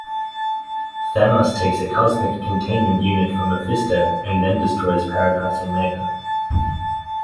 Thanos takes a cosmic containment unit for Mephisto and then destroys Paradise Omega.